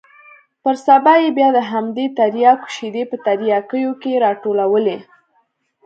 پر سبا يې بيا د همدې ترياکو شېدې په ترياكيو کښې راټولولې.